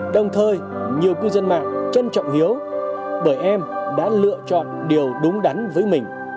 đồng thời nhiều cư dân mạng trân trọng hiếu bởi em đã lựa chọn điều đúng đắn với mình